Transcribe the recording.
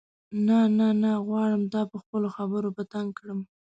نه نه نه غواړم تا په خپلو خبرو په تنګ کړم.